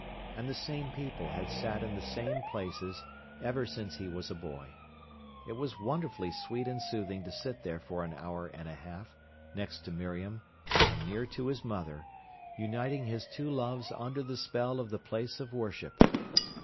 And the same people had sat in the same places ever since he was a boy. It was wonderfully sweet and soothing to sit there for an hour and a half, next to Miriam, and near to his mother, uniting his two loves under the spell of the place of worship.